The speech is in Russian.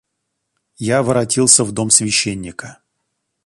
Я воротился в дом священника.